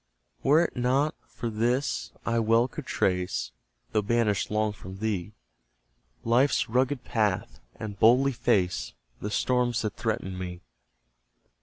Were 't not for this, I well could trace (Though banished long from thee) Life's rugged path, and boldly face The storms that threaten me.